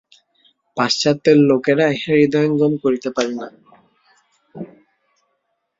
পাশ্চাত্যের লোকেরা ইহা হৃদয়ঙ্গম করিতে পারে না।